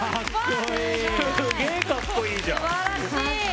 すげえかっこいいじゃん！